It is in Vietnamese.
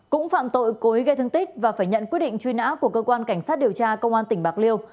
cũng phạm tội cố ý gây thương tích và phải nhận quyết định truy nã của cơ quan cảnh sát điều tra công an tỉnh bạc liêu